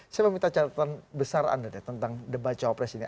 saya mau minta catatan besar anda deh tentang debat cawapres ini